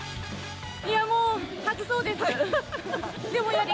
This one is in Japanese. いや、もう、吐きそうです。